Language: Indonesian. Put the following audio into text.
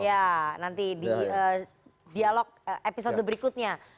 ya nanti di dialog episode berikutnya